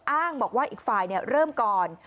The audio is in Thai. อ้างบอกว่าอีกฝ่ายเริ่มก่อน